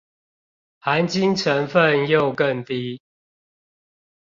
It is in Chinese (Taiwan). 含金成分又更低